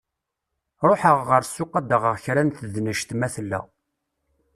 Ruḥeɣ ɣer ssuq ad d-aɣeɣ kra n tednect ma tella.